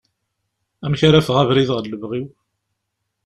Amek ara aɣef abrid ɣer lebɣi-w?